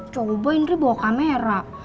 coba indri bawa kamera